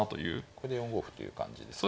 これで４五歩という感じですかね。